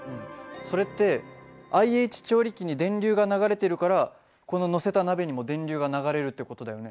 それってＩＨ調理器に電流が流れてるからこの載せた鍋にも電流が流れるって事だよね。